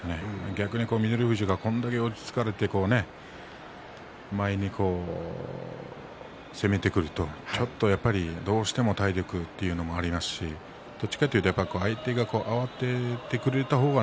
逆に翠富士がこれだけ押っつけられて前に攻められますと、どうしても体力というのもありますしどちらかというと相手が慌ててくれた方が